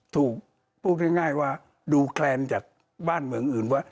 ถูกพูดง่ายว่าดูแคลนจากบ้านเมืองอื่นว่า